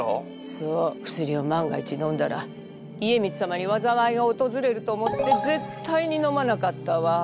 そう薬を万が一のんだら家光様に災いが訪れると思ってぜったいにのまなかったわ。